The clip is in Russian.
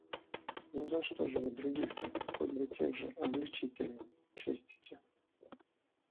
Но за что же вы других-то, хоть бы тех же обличителей, честите?